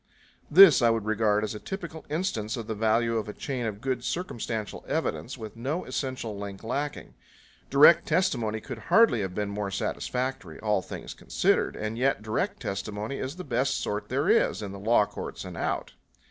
This I would regard as a typical instance of the value of a chain of good circumstantial evidence, with no essential link lacking. Direct testimony could hardly have been more satisfactory, all things considered; and yet direct testimony is the best sort there is, in the law courts and out.